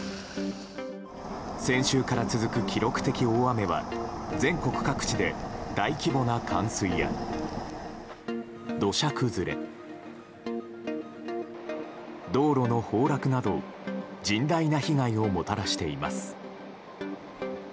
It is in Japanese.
先週から続く記録的大雨は全国各地で大規模な冠水や土砂崩れ道路の崩落など甚大が被害をもたらしています。